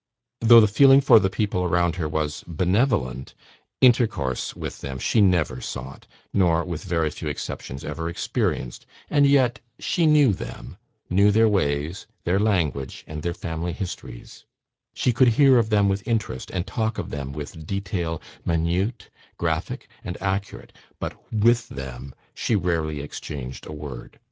Though the feeling for the people around her was benevolent, intercourse with them she never sought, nor, with very few exceptions, ever experienced and yet she knew them, knew their ways, their language, and their family histories; she could hear of them with interest, and talk of them with detail minute, graphic, and accurate; but WITH them she rarely exchanged a word.